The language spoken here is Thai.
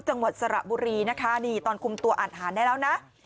จังหวัดสระบุรีนะคะนี่ตอนคุมตัวอ่านได้แล้วนะ